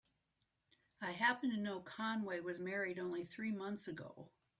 I happen to know Conway was married only three months ago.